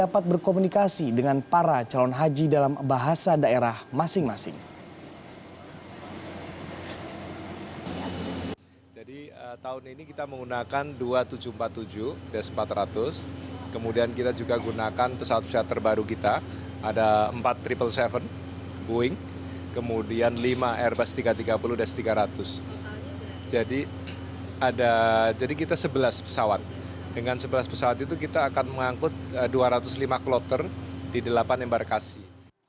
penerbangan kloter kedua kembali